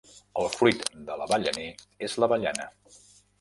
El fruit de l"avellaner és l"avellana.